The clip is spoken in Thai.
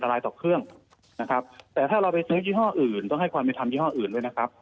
รายต่อเครื่องนะครับแต่ถ้าเราไปซื้อยี่ห้ออื่นต้องให้ความเป็นธรรมยี่ห้ออื่นด้วยนะครับ